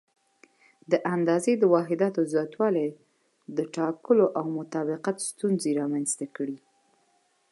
د اندازې د واحداتو زیاتوالي د ټاکلو او مطابقت ستونزې رامنځته کړې.